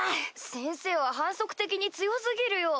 先生は反則的に強過ぎるよ。